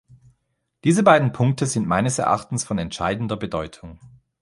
Diese beiden Punkte sind meines Erachtens von entscheidender Bedeutung.